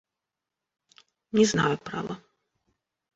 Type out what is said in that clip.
Не знаю, право.